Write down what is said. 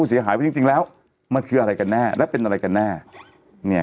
เสียหายว่าจริงจริงแล้วมันคืออะไรกันแน่และเป็นอะไรกันแน่เนี่ย